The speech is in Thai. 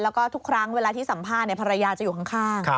แล้วก็ทุกครั้งเวลาที่สัมภาษณ์ภรรยาจะอยู่ข้าง